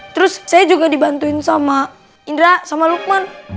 terus saya juga dibantuin sama indra sama lukman